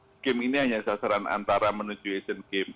sea games ini hanya sasaran antara menuju asian games